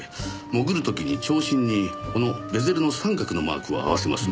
潜る時に長針にこのベゼルの三角のマークを合わせます。